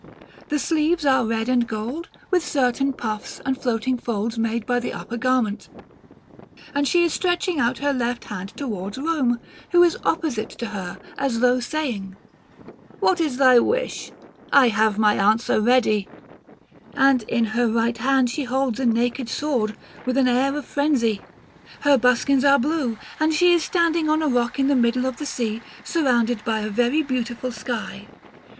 The sleeves are red and gold, with certain puffs and floating folds made by the upper garment, and she is stretching out her left hand towards Rome, who is opposite to her, as though saying, "What is thy wish? I have my answer ready;" and in her right hand she holds a naked sword, with an air of frenzy. Her buskins are blue, and she is standing on a rock in the middle of the sea, surrounded by a very beautiful sky.